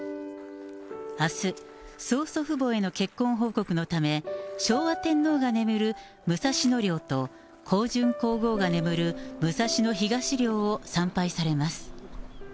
あす、曽祖父母への結婚報告のため、昭和天皇が眠る武蔵野陵と、香淳皇后が眠る武蔵野東陵を参拝されます。